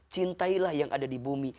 cintailah yang ada di bumi